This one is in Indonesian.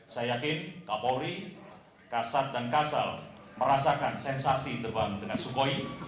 saya yakin kapolri kasat dan kasal merasakan sensasi terbang dengan sukhoi